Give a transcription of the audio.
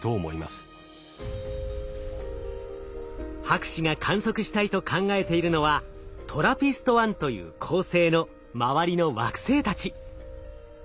博士が観測したいと考えているのはトラピスト１という恒星の周りの惑星たち。